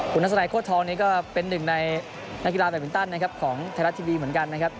คุณนัสนายโคตรทองนี้ก็เป็นหนึ่งในนักกีฬาแบบวินตันของทะลัดทีวีเหมือนกันนะครับ